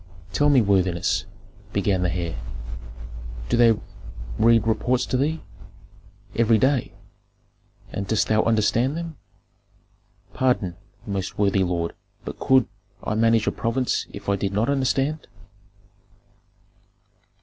"Tell me, worthiness," began the heir, "do they read reports to thee?" "Every day." "And dost thou understand them?" "Pardon, most worthy lord, but could I manage a province if I did not understand?"